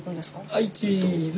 はいチーズ。